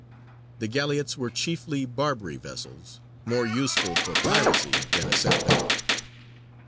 The galleots were chiefly Barbary vessels, more useful for piracy than a set battle.